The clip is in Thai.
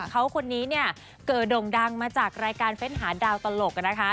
เขาคนนี้เนี่ยเกิดด่งดังมาจากรายการเฟ้นหาดาวตลกนะคะ